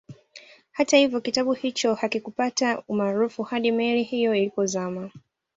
Hata hivyo kitabu hicho hakikupata umaarufu hadi meli hiyo ilipozama